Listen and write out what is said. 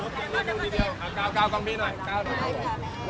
หรือว่าอยู่คนเดียว